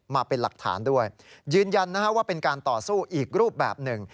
มาเป็นหลักฐานด้วยยืนยันว่าเป็นการต่อสู้อีกรูปแบบหนึ่ง